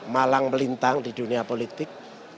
malang melintang di dunia politik